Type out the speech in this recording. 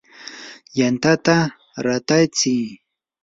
yantata ratatsi.